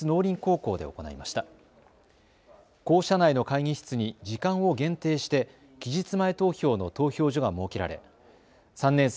校舎内の会議室に時間を限定して期日前投票の投票所が設けられ３年生